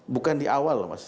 bukan di awal mas